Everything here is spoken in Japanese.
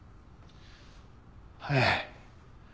ええ。